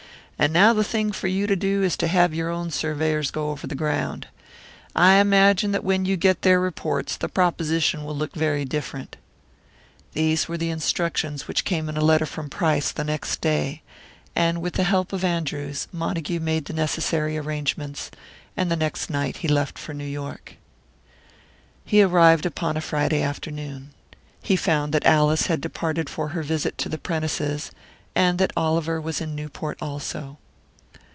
"And now the thing for you to do is to have your own surveyors go over the ground. I imagine that when you get their reports, the proposition will look very different." These were the instructions which came in a letter from Price the next day; and with the help of Andrews Montague made the necessary arrangements, and the next night he left for New York. He arrived upon a Friday afternoon. He found that Alice had departed for her visit to the Prentices', and that Oliver was in Newport, also.